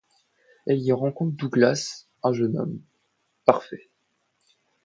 Elle y rencontre Douglas, un jeune homme... parfait.